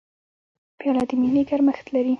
پیاله د مینې ګرمښت لري.